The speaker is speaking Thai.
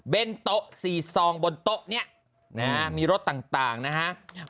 เบนโต๊ะสี่ซองบนโต๊ะเนี้ยนะฮะมีรสต่างต่างนะฮะ